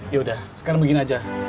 yaudah sekarang begini aja